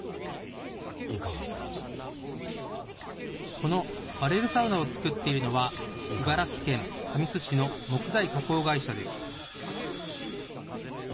このバレルサウナを作っているのは、茨城県神栖市の木材加工会社です。